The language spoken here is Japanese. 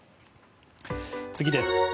次です。